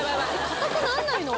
硬くなんないの？